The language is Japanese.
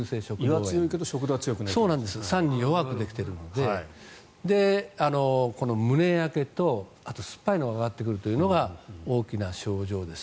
胃は強いけど酸に弱くできているのでこの胸焼けとあと酸っぱいのが上がってくるというのが大きな症状です。